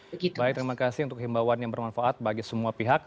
baik baik terima kasih untuk himbauan yang bermanfaat bagi semua pihak